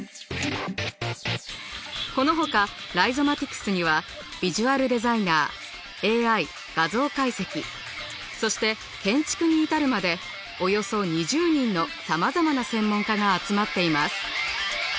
このほかライゾマティクスにはビジュアルデザイナーＡＩ画像解析そして建築に至るまでおよそ２０人の様々な専門家が集まっています。